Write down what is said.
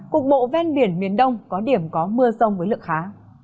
cục bộ ven biển miền đông có điểm có mưa rông với lượng khá